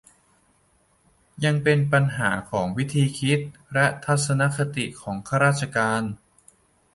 ยังเป็นปัญหาของวิธีคิด และทัศนคติ ของข้าราชการ